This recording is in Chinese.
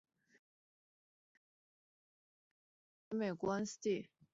其旗帜校威斯康星大学麦迪逊分校坐落于美国密歇根湖西岸的威斯康星州首府麦迪逊市。